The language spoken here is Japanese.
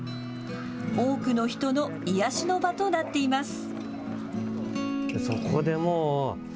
多くの人の癒やしの場となっています。